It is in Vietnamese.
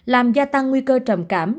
làm gia tăng nguy cơ trầm cảm